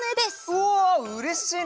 うわうれしいな！